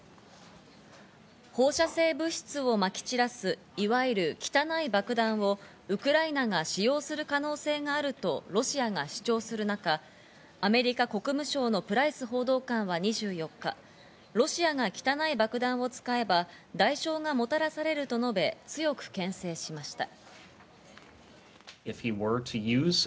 放射性物質を撒き散らす、いわゆる汚い爆弾をウクライナが使用する可能性があるとロシアが主張する中、アメリカ国務省のプライス報道官は２４日、ロシアが汚い爆弾を使えば、代償がもたらされると述べ、強くけん制しました。